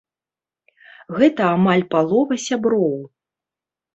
Гэта амаль палова сяброў.